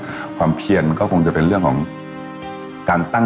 ส่วนความเพียงเราก็ถูกพูดอยู่ตลอดเวลาในเรื่องของความพอเพียง